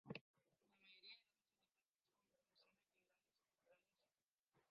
La mayoría eran hijas de padres con profesiones liberales o titulados superiores.